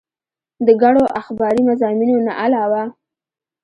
د ګڼو اخباري مضامينو نه علاوه